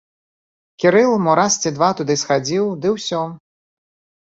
Кірыл мо раз ці два туды схадзіў, ды ўсё.